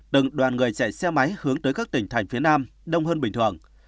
từng đoàn người chạy xe máy hướng tới các tỉnh thành phía nam đông hơn bình thường